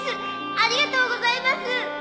ありがとうございます。